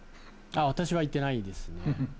私は行ってないですね。